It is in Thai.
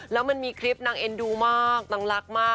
แล้วมันมีคลิปนางเอ็นดูมากนางรักมาก